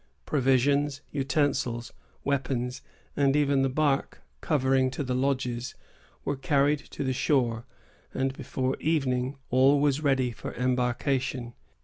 Provisions, utensils, weapons, and even the bark covering to the lodges, were carried to the shore; and before evening all was ready for embarkation.